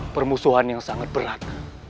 permusuhan yang sangat berat